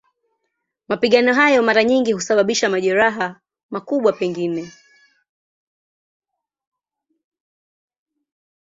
Mapigano hayo mara nyingi husababisha majeraha, makubwa pengine.